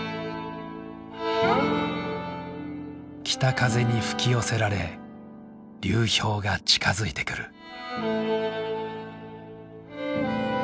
北風に吹き寄せられ流氷が近づいてくる。